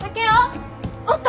おった？